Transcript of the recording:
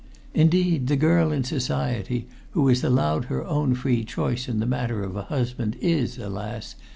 Indeed, the girl in Society who is allowed her own free choice in the matter of a husband is, alas!